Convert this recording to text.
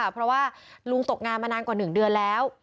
เพราะว่าลุงตกงานมานานกว่า๑เดือนแล้ว